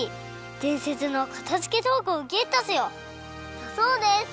でんせつのかたづけどうぐをゲットせよ」だそうです。